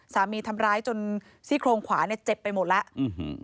สามีทำร้ายจนซี่โครงขวาเจ็บไปหมดแล้ว